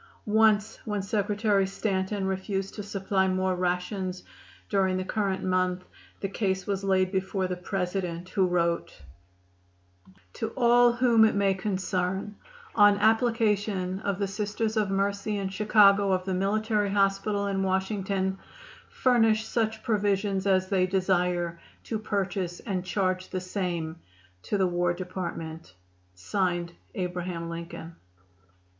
Once when Secretary Stanton refused to supply more rations during the current month the case was laid before the President, who wrote: "To all whom it may concern: On application of the Sisters of Mercy in Chicago of the Military Hospital in Washington furnish such provisions as they desire to purchase and charge the same to the War Department. ABRAHAM LINCOLN."